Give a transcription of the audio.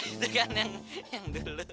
itu kan yang dulu